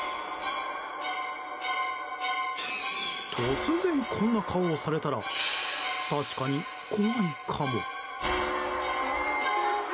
突然こんな顔をされたら確かに怖いかも。